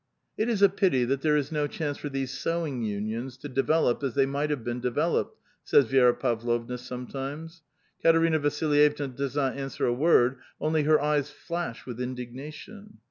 ^^ It is a pity that there is no chance for these sewing unions to develop as they might have been developed," says Vi^ra Pavlovna sometimes. Katerina Vasilj evna does not answer a word, only her eyes flash with indignation.